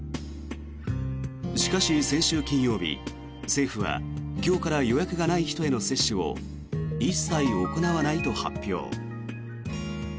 しかし、先週金曜日、政府は今日から予約がない人への接種を一切行わないと発表。